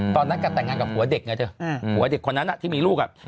ตอนนั้นแกแต่งงานกับผัวเด็กไงเธอผัวเด็กคนนั้นที่มีลูกอ่ะ